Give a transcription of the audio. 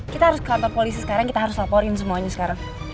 kita harus ke kantor polisi sekarang kita harus laporin semuanya sekarang